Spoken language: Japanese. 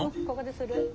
ここでする。